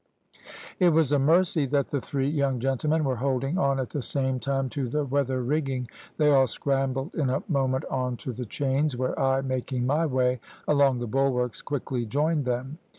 It was a mercy that the three young gentlemen were holding on at the time to the weather rigging. They all scrambled in a moment on to the chains, where I, making my way along the bulwarks, quickly joined them.